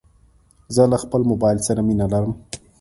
زه له خپل موبایل سره مینه لرم.